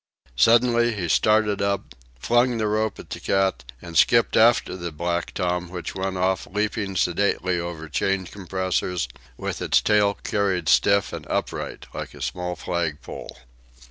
Suddenly he started up, flung the rope at the cat, and skipped after the black tom which went off leaping sedately over chain compressors, with its tail carried stiff and upright, like a small flag pole.